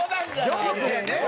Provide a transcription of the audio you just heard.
ジョークでね。